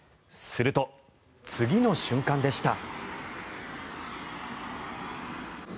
すると、次の瞬間でした。